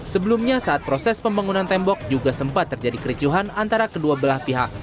sebelumnya saat proses pembangunan tembok juga sempat terjadi kericuhan antara kedua belah pihak